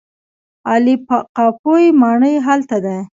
عالي قاپو ماڼۍ هلته ده.